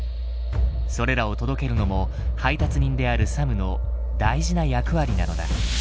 それらを届けるのも配達人であるサムの大事な役割なのだ。